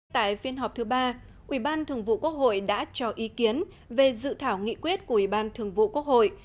tại phiên họp thứ ba ủy ban thường vụ quốc hội đã cho ý kiến về dự thảo nghị quyết của ủy ban thường vụ quốc hội